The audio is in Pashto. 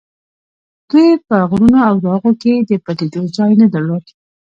دوی به په غرونو او راغو کې د پټېدو ځای نه درلود.